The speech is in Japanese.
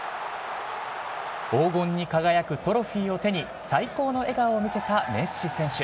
黄金に輝くトロフィーを手に、最高の笑顔を見せたメッシ選手。